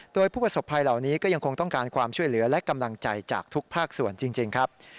โดยผู้ประสบภัยเหล่านี้ก็ยังคงต้องการความช่วยเหลือและกำลังใจจากทุกภาคส่วนจริงครับ